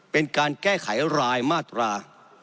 เป็นการแก้ไขรายมาตรา